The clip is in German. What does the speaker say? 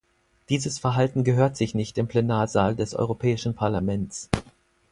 Dieses Verhalten gehört sich nicht im Plenarsaal des Europäischen Parlaments.